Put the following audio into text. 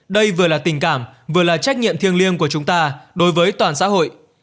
đây vừa là tình cảm vừa là trách nhiệm thiêng liêng của chúng ta đối với toàn xã hội